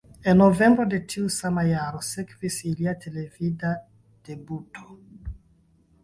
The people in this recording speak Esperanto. En novembro de tiu sama jaro sekvis ilia televida debuto.